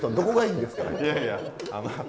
いやいや。